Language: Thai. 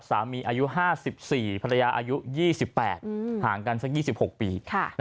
อายุ๕๔ภรรยาอายุ๒๘ห่างกันสัก๒๖ปี